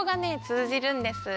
つうじるんです。